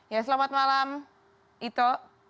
ya selamat malam ito